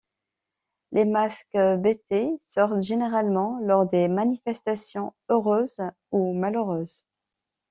Les masques Bété sortent généralement lors des manifestations heureuses ou malheureuses.